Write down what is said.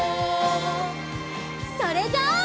それじゃあ。